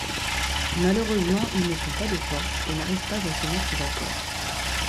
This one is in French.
Malheureusement ils ne sont pas de force et n’arrivent pas à se mettre d’accord.